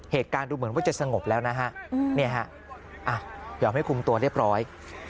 เหตุการณ์ดูเหมือนว่าจะสงบแล้วนะฮะยอมให้คุมตัวเรียบร้อย